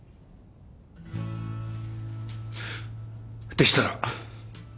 でしたら。